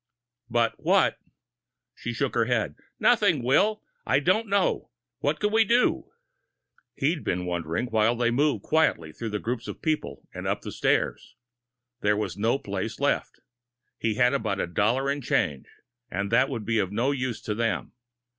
"But what " She shook her head. "Nothing, Will. I don't know. What can we do?" He'd been wondering, while they moved quietly through the groups of people, and up the stairs. There was no place left. He had about a dollar in change, and that would be of no use to them.